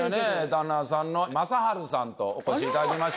旦那さんの雅春さんとお越しいただきました。